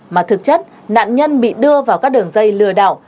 mà thực chất nạn nhân bị đưa vào các đường dây lừa đảo